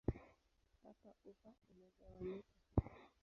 Hapa ufa imegawanyika.